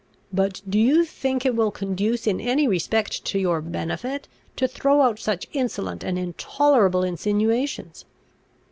But do you think it will conduce in any respect to your benefit, to throw out such insolent and intolerable insinuations?"